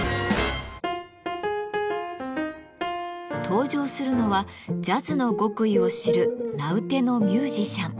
登場するのはジャズの極意を知る名うてのミュージシャン。